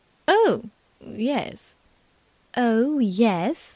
"Oh, yes!" "Oh, yes!"